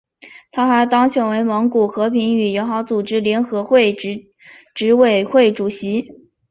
他还当选为蒙古和平与友好组织联合会执委会主席。